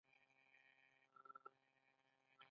هغه هڅه وکړه چي ټول اقوام سره يو کړي.